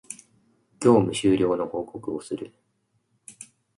業務終了の報告をする